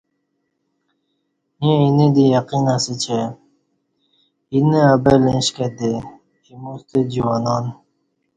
ییں اینہ دی یقین اسہ چہ اینہ ابلہ ایݩش کہتی ایموستہ جوانان